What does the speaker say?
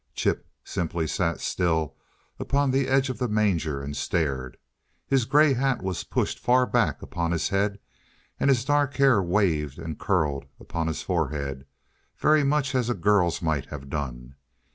Chip simply sat still upon the edge of the manger and stared. His gray hat was pushed far back upon his head and his dark hair waved and curled upon his forehead, very much as a girl's might have done.